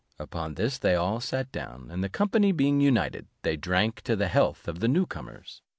Upon this they all sat down, and the company being united, they drank to the health of the new comers.